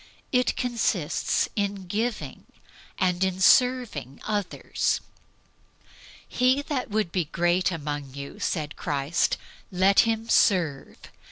It consists in giving, and in serving others. "He that would be great among you," said Christ, "let him serve."